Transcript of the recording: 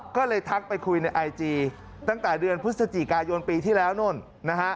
ก็เลยทักไปคุยในไอจีตั้งแต่เดือนพฤศจิกายนปีที่แล้วนู่นนะฮะ